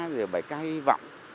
rồi bài ca hy vọng